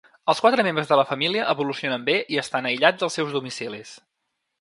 Els quatre membres de la família evolucionen bé i estan aïllats als seus domicilis.